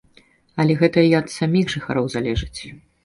Але гэта і ад саміх жыхароў залежыць.